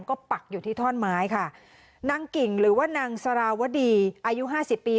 ก็ปักอยู่ที่ท่อนไม้ค่ะนางกิ่งหรือว่านางสารวดีอายุห้าสิบปี